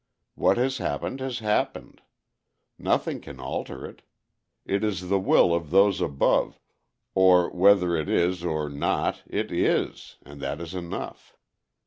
What has happened has happened. Nothing can alter it. It is the will of Those Above, or whether it is or not it IS, and that is enough.